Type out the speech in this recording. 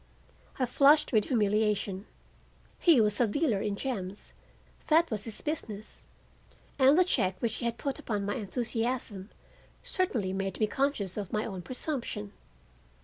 I flushed with humiliation. He was a dealer in gems—that was his business—and the check which he had put upon my enthusiasm certainly made me conscious of my own presumption.